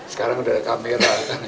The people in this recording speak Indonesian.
sekarang udah kamera kan